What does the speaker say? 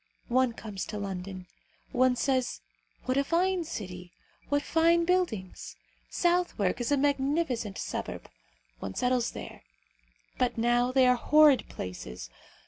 One comes to London. One says: What a fine city! What fine buildings! Southwark is a magnificent suburb. One settles there. But now they are horrid places.